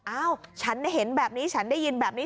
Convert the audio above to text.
อ้าวฉันเห็นแบบนี้ฉันได้ยินแบบนี้